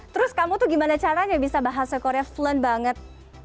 terus kamu tuh gimana caranya bisa bahasa korea fluen banget